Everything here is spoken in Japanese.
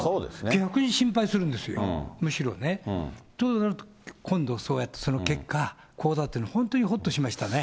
逆に心配するんですよ、むしろね。となると、今度そうやって結果、こうだっていうのは本当にほっとしましたね。